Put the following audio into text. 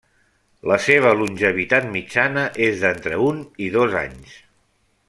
La seva longevitat mitjana és d'entre un i dos anys.